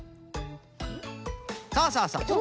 そうそうそう。